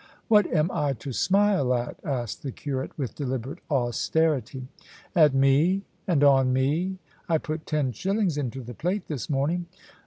"What am I to smile at?" asked the curate, with deliberate austerity. "At me, and on me. I put ten shillings into the plate this morning."